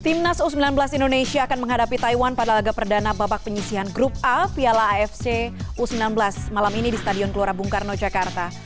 timnas u sembilan belas indonesia akan menghadapi taiwan pada laga perdana babak penyisian grup a piala afc u sembilan belas malam ini di stadion gelora bung karno jakarta